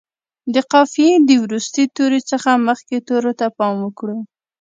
د قافیې د وروستي توري څخه مخکې تورو ته پام وکړو.